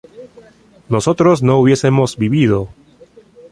nosotros no hubiésemos vivido